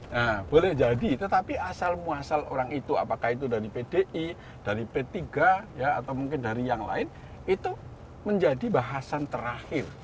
nah boleh jadi tetapi asal muasal orang itu apakah itu dari pdi dari p tiga atau mungkin dari yang lain itu menjadi bahasan terakhir